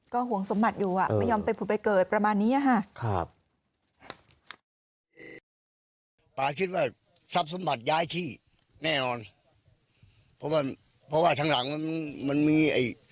ก็ห่วงสมบัติอยู่ไม่ยอมไปผุดไปเกิดประมาณนี้ค่ะ